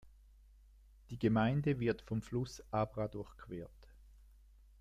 Die Gemeinde wird vom Fluss Abra durchquert.